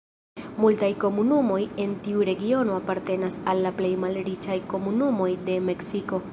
Multaj komunumoj en tiu regiono apartenas al la plej malriĉaj komunumoj de Meksiko.